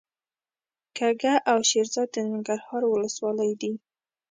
کږه او شیرزاد د ننګرهار ولسوالۍ دي.